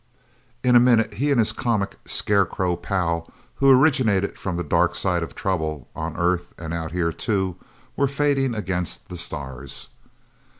In a minute he, and his comic, scarecrow pal who originated from the dark side of trouble, on Earth and out here, too, were fading against the stars.